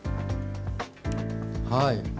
はい。